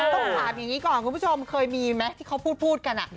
ต้องถามอย่างนี้ก่อนคุณผู้ชมเคยมีไหมที่เขาพูดกัน